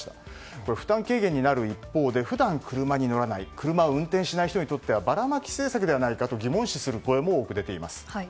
これ、負担軽減になる一方で普段、車に乗らない運転しない人にとってはばらまき政策ではないかと疑問視する声も多く出ています。